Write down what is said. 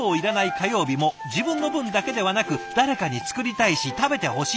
火曜日も自分の分だけではなく誰かに作りたいし食べてほしい。